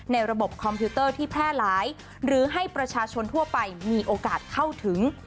ระบบคอมพิวเตอร์ที่แพร่หลายหรือให้ประชาชนทั่วไปมีโอกาสเข้าถึง